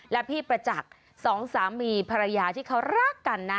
และพี่ประจักษ์สองสามีภรรยาที่เขารักกันนะ